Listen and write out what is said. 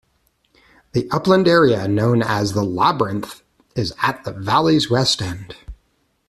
The upland area known as the Labyrinth is at the valley's west end.